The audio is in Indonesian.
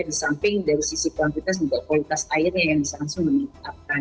di samping dari sisi kuantitas juga kualitas airnya yang bisa langsung meningkatkan